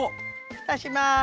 ふたします。